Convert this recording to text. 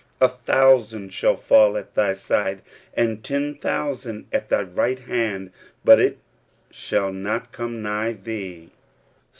A thousand shall fall at thy side, and ten thousand at thy right hand ; but it shall not come nigh thee" (Ps.